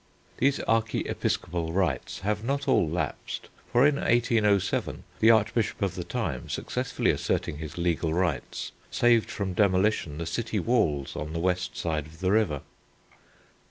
These archiepiscopal rights have not all lapsed, for in 1807 the Archbishop of the time, successfully asserting his legal rights, saved from demolition the city walls on the west side of the river.